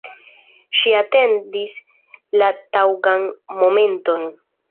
Ŝi atendis la taŭgan momenton.